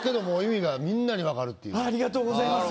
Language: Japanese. ありがとうございます。